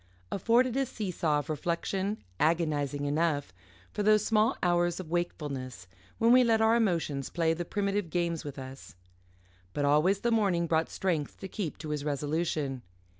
afforded a see saw of reflection, agonising enough, for those small hours of wakefulness when we let our emotions play the primitive games with us. But always the morning brought strength to keep to his resolution.